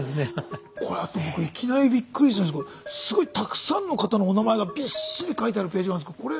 これいきなりびっくりしたんですけどすごいたくさんの方のお名前がびっしり書いてあるページがあるんですけどこれ。